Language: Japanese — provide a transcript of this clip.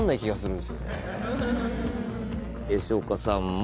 吉岡さんも。